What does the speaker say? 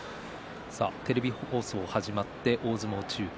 テレビ放送始めて大相撲中継